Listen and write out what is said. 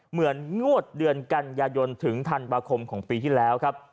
เหมือนงวดเดือนกันยายนถึงธันวาคมของปีที่แล้วครับ